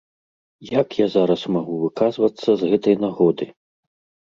Як я зараз магу выказацца з гэтай нагоды?